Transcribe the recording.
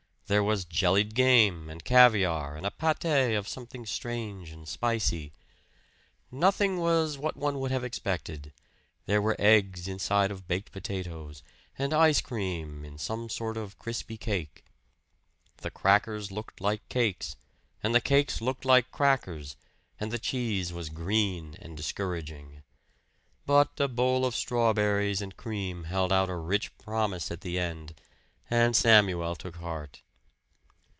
There was jellied game, and caviar, and a pate of something strange and spicy. Nothing was what one would have expected there were eggs inside of baked potatoes, and ice cream in some sort of crispy cake. The crackers looked like cakes, and the cakes like crackers, and the cheese was green and discouraging. But a bowl of strawberries and cream held out a rich promise at the end, and Samuel took heart.